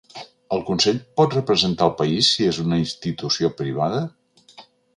El consell pot representar el país, si és una institució privada?